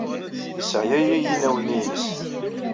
Yesseɛya-yi yinaw-nni-ines.